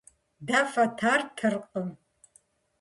Дэ фэтэр ттыркъым.